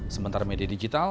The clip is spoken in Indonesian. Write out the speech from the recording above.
sementara media digital